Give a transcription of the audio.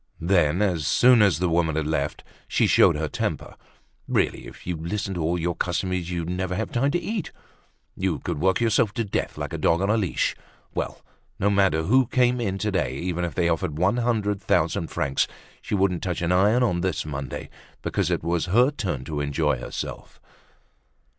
Then, as soon as the woman had left, she showed her temper. Really, if you listened to all your customers, you'd never have time to eat. You could work yourself to death like a dog on a leash! Well! No matter who came in to day, even if they offered one hundred thousand francs, she wouldn't touch an iron on this Monday, because it was her turn to enjoy herself.